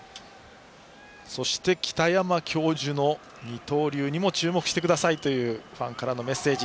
北山教授の二刀流にも注目してくださいというファンからのメッセージ。